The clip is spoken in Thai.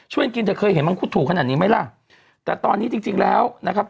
กินแต่เคยเห็นมังคุดถูกขนาดนี้ไหมล่ะแต่ตอนนี้จริงจริงแล้วนะครับ